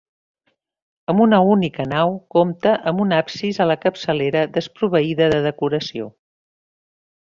Amb una única nau, compta amb un absis a la capçalera desproveïda de decoració.